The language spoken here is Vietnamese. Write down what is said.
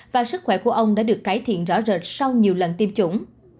và sức khỏe của ông đã được cải thiện rõ rệt sau nhiều lần tiêm chủng